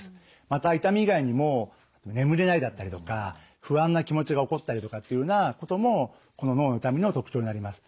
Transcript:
また痛み以外にも眠れないだったりとか不安な気持ちが起こったりとかっていうようなこともこの脳の痛みの特徴になります。